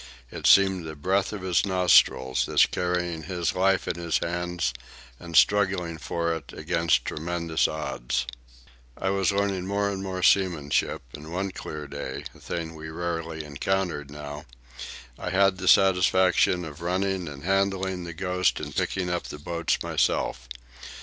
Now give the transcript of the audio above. It seemed the breath of his nostrils, this carrying his life in his hands and struggling for it against tremendous odds. I was learning more and more seamanship; and one clear day—a thing we rarely encountered now—I had the satisfaction of running and handling the Ghost and picking up the boats myself.